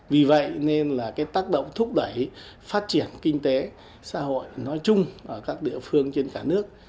vì vậy nên là cái tác động thúc đẩy phát triển kinh tế xã hội nói chung ở các địa phương trên cả nước